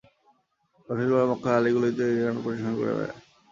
কণ্ঠশিল্পীরা মক্কার অলি-গলিতে এই গান পরিবেশন করে বেড়ায়।